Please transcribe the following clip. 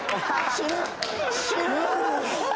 死ぬ！